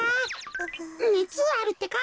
ねつはあるってか？